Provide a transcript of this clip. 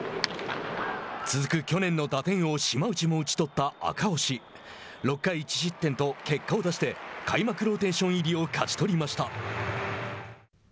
続く去年の打点王島内も打ち取った赤星６回１失点と結果を出して開幕ローテーション入りを勝ち取りました。